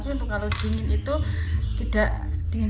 tapi untuk kalau dingin itu tidak dingin